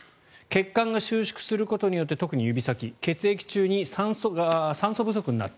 血管が収縮することによって特に指先血液中が酸素不足になる。